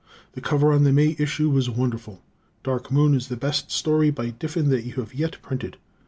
The cover on the May issue was wonderful. "Dark Moon" is the best story by Diffin that you have yet printed.